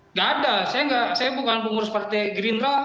nggak ada saya bukan pengurus partai gerindra